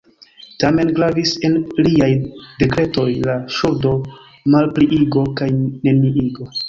Tamen, gravis en liaj dekretoj la ŝuldo-malpliigo kaj -neniigo.